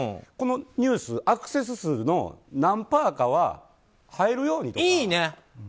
このニュース、アクセス数の何パーかは入るようにとか。